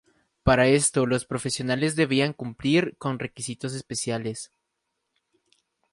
Para esto los profesionales debían cumplir con requisitos especiales.